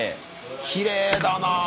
きれいだなあ。